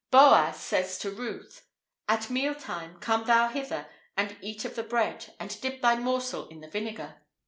[IV 10] Boaz says to Ruth: "At meal time come thou hither and eat of the bread, and dip thy morsel in the vinegar."